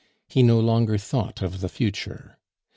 He no longer thought of the future.